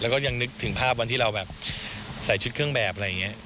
แล้วก็ยังนึกถึงภาพวันที่เราแบบใส่ชุดเครื่องแบบอะไรอย่างนี้